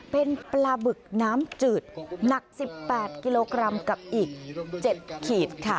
เป็นปลาบึกน้ำจืดหนัก๑๘กิโลกรัมกับอีก๗ขีดค่ะ